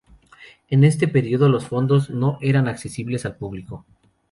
En ese periodo los fondos no eran accesibles al público.